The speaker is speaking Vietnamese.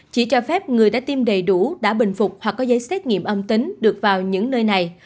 chỉ cho phép người đã tiêm đầy đủ đã bình phục hoặc có giấy xét nghiệm âm tính được vào những nơi này